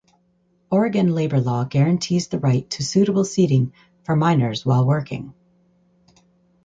Oregon labor law guarantees the right to suitable seating for minors while working.